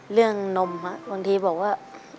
เรื่องนมครับบางทีบอกว่า